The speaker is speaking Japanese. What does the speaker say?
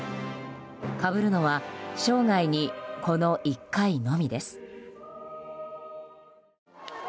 かぶるのは生涯にこの１回のみです。